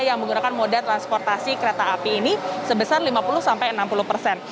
yang menggunakan moda transportasi kereta api ini sebesar lima puluh sampai enam puluh persen